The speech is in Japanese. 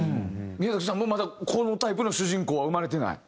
宮崎さんもまだこのタイプの主人公は生まれてない？